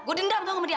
gue dendam tau sama dia